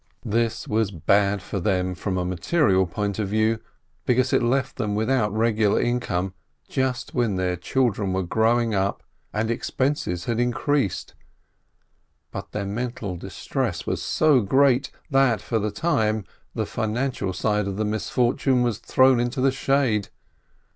This was bad for them from a material point of view, because it left them without regular income just when their children were growing up and expenses had increased, but their mental distress was so great, that, for the time, the financial side of the misfortune was thrown into the shade.